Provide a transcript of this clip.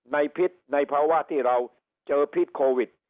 พิษในภาวะที่เราเจอพิษโควิด